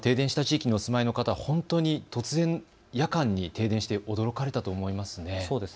停電した地域にお住まいの方、本当に突然、夜間に停電して驚かれたと思います。